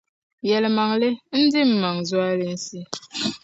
Yɛlimaŋli ndi n-maŋ zualinsi.